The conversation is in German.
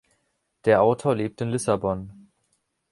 Der Autor lebt in Lissabon.